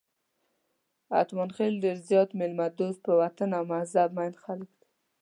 اتمانخېل ډېر زیات میلمه دوست، په وطن او مذهب مېین خلک دي.